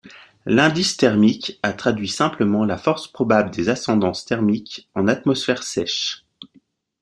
L'indice thermique à traduit simplement la force probable des ascendances thermiques en atmosphère sèche.